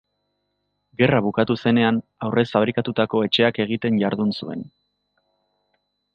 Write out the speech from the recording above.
Gerra bukatu zenean, aurrez fabrikatutako etxeak egiten jardun zuen.